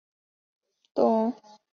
董槐人士。